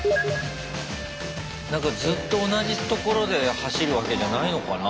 なんかずっと同じ所で走るわけじゃないのかな？